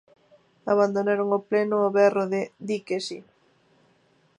Abandonaron o pleno ao berro de 'dique si'.